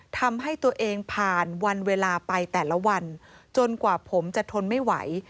ทำให้ตัวเองผ่านวันเวลาไปแต่ละวันจนกว่าผมจะทนไม่ไหว